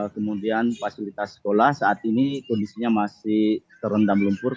kemudian fasilitas sekolah saat ini kondisinya masih terendam lumpur